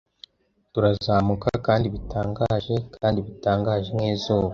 Turazamuka kandi bitangaje kandi bitangaje nk'izuba,